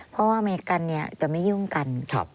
เพราะว่าไม่กันเนี่ยจะไม่ยุ่งกัน